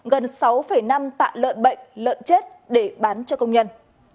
gần sáu năm tạ lợn bệnh lợn chết để bán cho công nhân